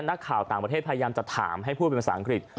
นักข่าวต่างประเทศพยายามจะถามให้พูดเป็นภาษาอังกฤษ